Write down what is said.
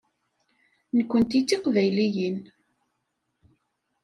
Nekknti d tiqbayliyin.